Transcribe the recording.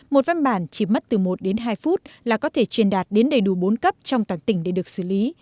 một văn bản chỉ mất từ một đến hai phút là có thể truyền đạt đến đầy đủ bốn cấp trong toàn tỉnh để được xử lý